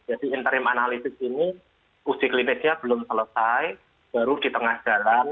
jadi interim analysis ini uti klinisnya belum selesai baru di tengah jalan